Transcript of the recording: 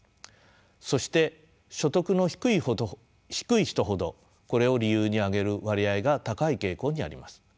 そして所得の低い人ほどこれを理由に挙げる割合が高い傾向にあります。